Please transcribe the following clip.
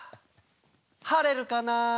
「晴れるかな」